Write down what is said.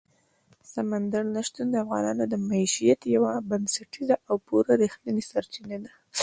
سمندر نه شتون د افغانانو د معیشت یوه بنسټیزه او پوره رښتینې سرچینه ده.